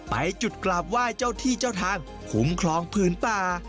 ไปจุดกราบไหว้เจ้าที่เจ้าทางคุ้มครองผืนป่า